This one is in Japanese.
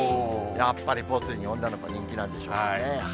やっぱりぽつリン、女の子、人気なんでしょうね。